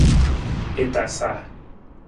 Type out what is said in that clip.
I tasa.